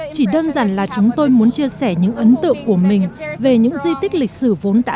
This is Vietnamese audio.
chỉ đơn giản là chúng tôi muốn chia sẻ những ấn tượng của mình về những di tích lịch sử vốn đã